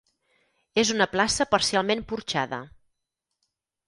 És una plaça parcialment porxada.